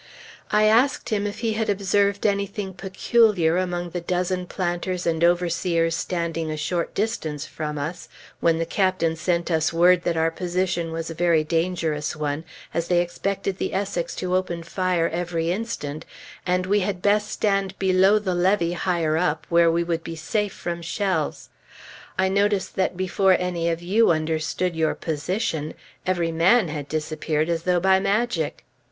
I asked him if he had observed anything peculiar among the dozen planters and overseers standing a short distance from us, when the Captain sent us word that our position was a very dangerous one, as they expected the Essex to open fire every instant, and we had best stand below the levee, higher up, where we would be safe from shells. "I noticed that before any of you understood your position, every man had disappeared as though by magic."